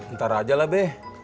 ntar aja lah be